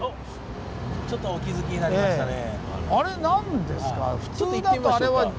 ちょっとお気付きになりましたね。